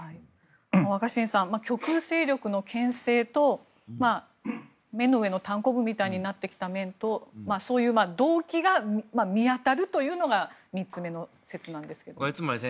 若新さん極右勢力の牽制と目の上のたんこぶみたいになってきた面と、動機の部分が見当たるというのが３つの目の説なんですけども。